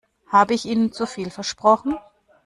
Habe ich Ihnen zu viel versprochen?